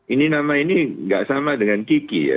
ini nama ini nggak sama dengan kiki ya